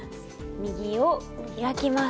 右を開きます。